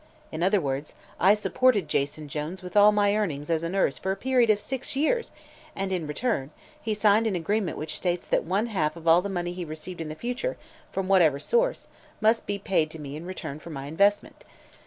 In other words, I supported Jason Jones with all my earnings as a nurse for a period of six years and in return he signed an agreement which states that one half of all the money he received in the future, from whatever source, must be paid to me in return for my investment.